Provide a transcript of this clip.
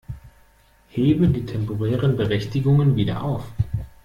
Hebe die temporären Berechtigungen wieder auf.